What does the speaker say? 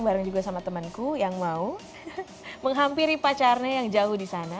bareng juga sama temanku yang mau menghampiri pacarnya yang jauh di sana